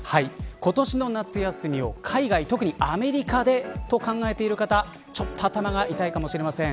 今年の夏休みを海外特にアメリカでと考えている方ちょっと頭が痛いかもしれません。